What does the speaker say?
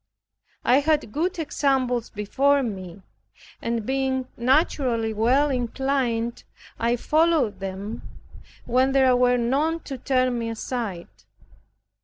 I had good examples before me, and being naturally well inclined, I followed them, when there were none to turn me aside.